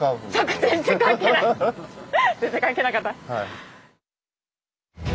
全然関係なかった。